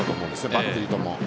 バッテリーとも。